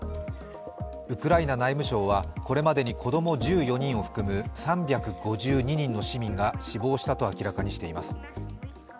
ウクライナ内務省は、これまでに子供１４人を含む３５２人の市民が死亡したと明らかにしています。